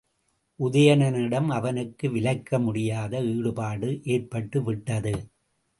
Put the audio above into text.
உதயணனிடம் அவனுக்கு விலக்க முடியாத ஈடுபாடு ஏற்பட்டுவிட்டது.